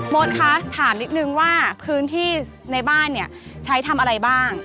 มดคะถามนิดนึงว่าพื้นที่ในบ้านเนี่ยใช้ทำอะไรบ้าง